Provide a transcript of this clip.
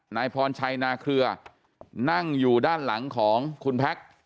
นายพรชัยนาเคลือนั่งอยู่ด้านหลังของคุณแพ็ค